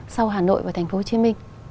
sau hà nội và tp hcm